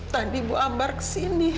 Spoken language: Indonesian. tadi ibu ambar kesini